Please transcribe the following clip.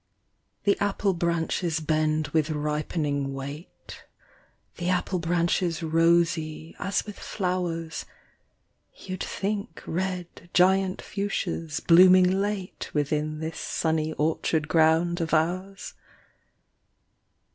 The a^le branches bend with ripening weight, The apple branches rosy as with flowers ; You'd think red giant fuchsias blooming late Within this sunny orchard ground of ours.